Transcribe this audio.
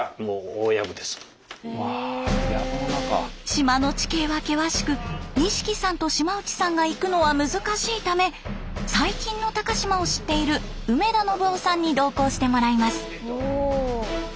島の地形は険しく西来さんと島内さんが行くのは難しいため最近の高島を知っている梅田信男さんに同行してもらいます。